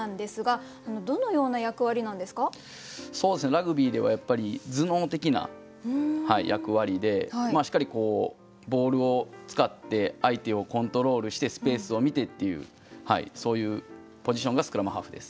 ラグビーではやっぱり頭脳的な役割でしっかりボールを使って相手をコントロールしてスペースを見てっていうそういうポジションがスクラムハーフです。